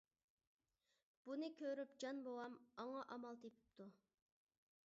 بۇنى كۆرۈپ جان بوۋام، ئاڭا ئامال تېپىپتۇ.